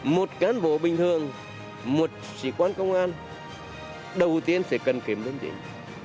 một cán bộ bình thường một sĩ quan công an đầu tiên sẽ cần kiệm liêm chính